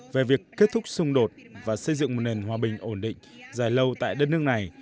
về việc kết thúc xung đột và xây dựng một nền hòa bình ổn định dài lâu tại đất nước này